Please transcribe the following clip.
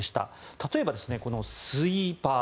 例えば、スイーパー。